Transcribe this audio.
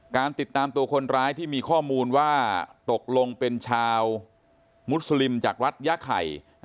การติดตามตัวคนร้ายที่มีข้อมูลว่าตกลงเป็นชาวมุสลิมจากรัฐยาไข่